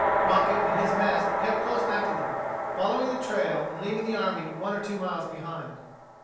Crockett and his mess kept close after them, following their trail, and leaving the army one or two miles behind.